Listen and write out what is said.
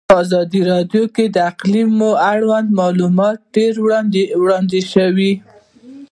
په ازادي راډیو کې د اقلیم اړوند معلومات ډېر وړاندې شوي.